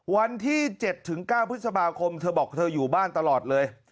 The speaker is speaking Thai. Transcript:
วันที่๗๙พฤษภาคมเธอบอกเธออยู่บ้านตลอดเลย